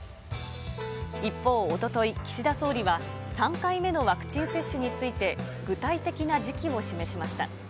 一方、おととい、岸田総理は、３回目のワクチン接種について具体的な時期を示しました。